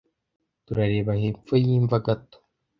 turareba hepfo yimva gato